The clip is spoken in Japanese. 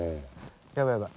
やばいやばい。